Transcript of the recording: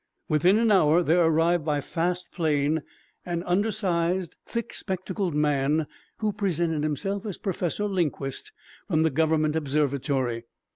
Within an hour there arrived by fast plane an undersized, thick spectacled man who presented himself as Professor Linquist from the government observatory.